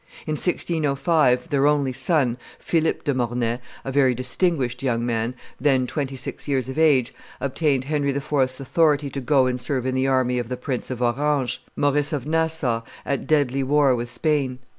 In 1605, their only son, Philip de Mornay, a very distinguished young man, then twenty six years of age, obtained Henry IV.'s authority to go and serve in the army of the Prince of Orange, Maurice of Nassau, at deadly war with Spain.